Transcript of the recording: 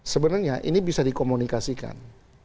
sebenarnya ini bisa dikomunikasikan